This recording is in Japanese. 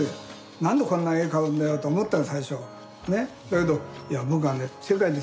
何でこんな絵買うんだよって思ったの最初。